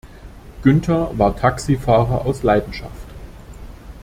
Günther war Taxifahrer aus Leidenschaft.